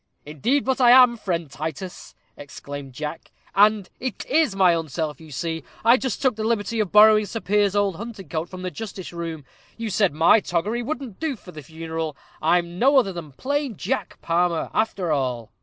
"Indeed but I am, friend Titus," exclaimed Jack; "and it is my own self you see. I just took the liberty of borrowing Sir Piers's old hunting coat from the justice room. You said my toggery wouldn't do for the funeral. I'm no other than plain Jack Palmer, after all."